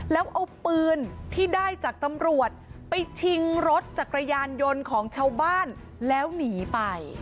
แล้วเอาปืนที่ได้จากตำรวจไปชิงรถจักรยานยนต์ของชาวบ้านแล้วหนีไป